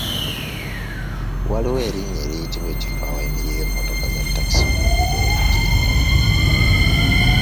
Waliwo erinnya eriyitibwa ekifo awayimirira emmotoka za takisi ku luguudo lw’ejjinja.